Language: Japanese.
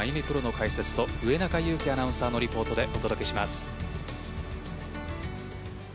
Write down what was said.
プロの解説と上中勇樹アナウンサーのリポートでお届けします。